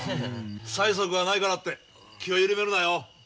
催促がないからって気を緩めるなよ。